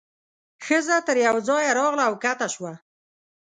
ښځه تر یوه ځایه راغله او کښته شوه.